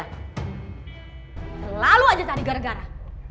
selalu aja cari gara gara